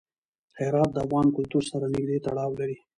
هرات د افغان کلتور سره نږدې تړاو لري.